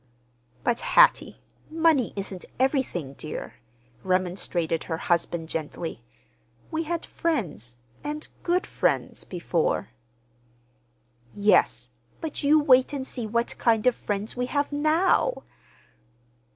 "But, Hattie, money isn't everything, dear," remonstrated her husband gently. "We had friends, and good friends, before." "Yes; but you wait and see what kind of friends we have now!"